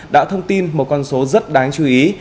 đã thông tin một con số rất đáng chú ý